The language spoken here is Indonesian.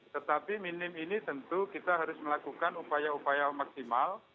tetapi minim ini tentu kita harus melakukan upaya upaya maksimal